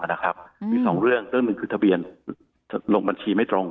มี๒เรื่อง๑คือทะเบียนลงบัญชีไม่ตรง